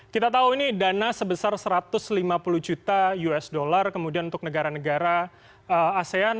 kita tahu ini dana sebesar satu ratus lima puluh juta usd kemudian untuk negara negara asean